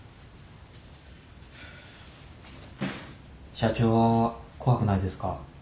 社長は怖くないですか？